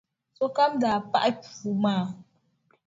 Sokam daa paɣi puu maa.